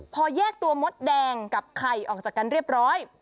พอแยกตัวมดแดงกับไข่ออกจากกันเรียบร้อย